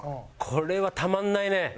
これはたまんないね。